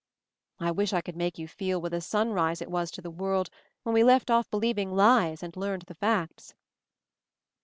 I wish I could make you feel what a sunrise it was to the world when we left off believing lies and learned the facts."